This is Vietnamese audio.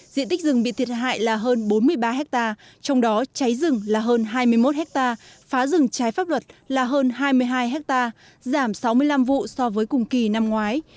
diện tích rừng bị thiệt hại là hơn bốn mươi ba ha trong đó cháy rừng là hơn hai mươi một ha phá rừng trái pháp luật là hơn hai mươi hai hectare giảm sáu mươi năm vụ so với cùng kỳ năm ngoái